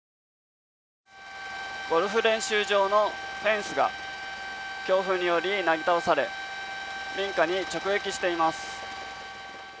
ゴルフ練習場のフェンスが強風によりなぎ倒され、民家に直撃しています。